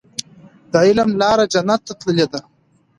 د علم لاره جنت ته تللې ده.